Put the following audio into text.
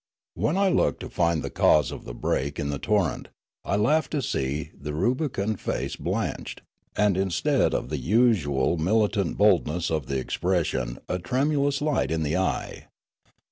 When I looked to find the cause of the break in the torrent, I laughed to see the rubicund face blanched, and instead of the usual militant boldness of the ex pression a tremulous light in the eye.